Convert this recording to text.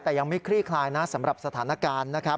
แต่ยังไม่คลี่คลายนะสำหรับสถานการณ์นะครับ